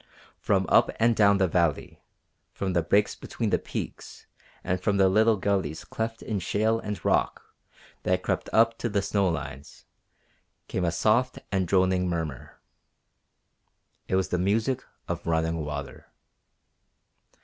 From up and down the valley, from the breaks between the peaks and from the little gullies cleft in shale and rock that crept up to the snow lines, came a soft and droning murmur. It was the music of running water.